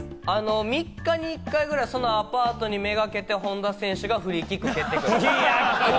３日に１回ぐらい、そのアパートめがけて本田選手がフリーキックを蹴ってくる。